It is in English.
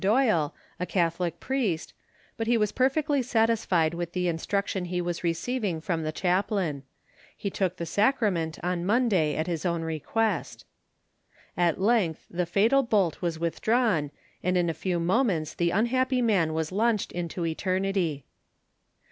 Doyle, a Catholic priest, but he was perfectly satisfied with the instruction he was receiving from the chaplain. He took the sacrament on Monday at his own request. At length the fatal bolt was withdrawn, and in a few moments the unhappy man was launched into eternity.